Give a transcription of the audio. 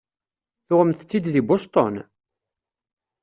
Tuɣemt-tt-id deg Boston?